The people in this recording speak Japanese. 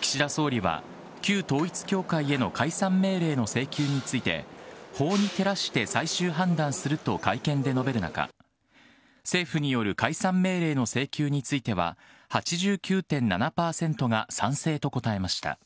岸田総理は旧統一教会への解散命令の請求について、法に照らして最終判断すると会見で述べる中、政府による解散命令の請求については、８９．７％が賛成と答えました。